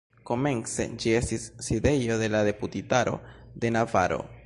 Komence ĝi estis sidejo de la Deputitaro de Navaro.